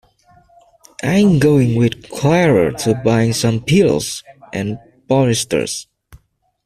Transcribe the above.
I'm going with Clara to buy some pillows and bolsters.